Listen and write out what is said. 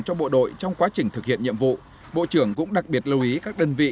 cho bộ đội trong quá trình thực hiện nhiệm vụ bộ trưởng cũng đặc biệt lưu ý các đơn vị